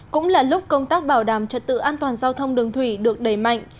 cũng là lúc công tác bảo đảm trật tự an toàn giao thông đường thủy được đẩy mạnh